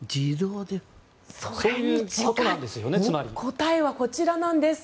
答えはこちらなんです。